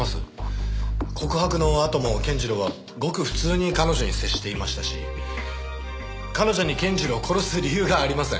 告白のあとも健次郎はごく普通に彼女に接していましたし彼女に健次郎を殺す理由がありません。